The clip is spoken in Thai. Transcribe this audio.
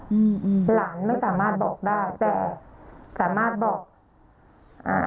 อืมหลานไม่สามารถบอกได้แต่สามารถบอกอ่า